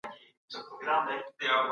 آيا روڼ آندي د ټولني لپاره ګټه لري؟